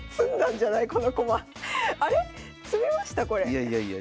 いやいやいや。